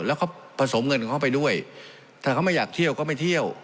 แล้วเขาผสมเงินของเขาไปด้วยถ้าเขาไม่อยากเที่ยวก็ไม่เที่ยว